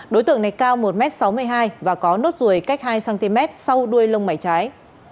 đối tượng này cao một m sáu mươi hai và có nốt ruồi cách hai cm sau đuôi lông mảy trái